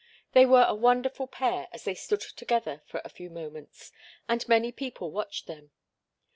They were a wonderful pair as they stood together for a few moments, and many people watched them.